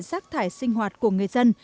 rác thải sinh hoạt của người dân